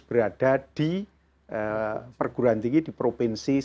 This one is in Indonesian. berada di perguruan tinggi di provinsi